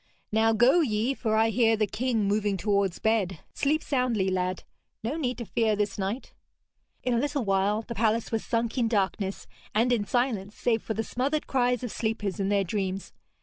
'Now go ye, for I hear the king moving towards bed. Sleep soundly, lad; no need to fear this night.' In a little while the palace was sunk in darkness, and in silence save for the smothered cries of sleepers in their dreams.